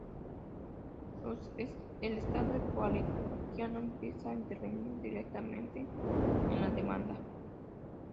El estado ecuatoriano empieza a intervenir directamente en la demanda.